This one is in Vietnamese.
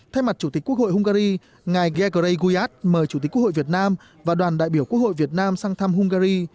thay mặt chủ tịch quốc hội hungary ngài gegrey guis mời chủ tịch quốc hội việt nam và đoàn đại biểu quốc hội việt nam sang thăm hungary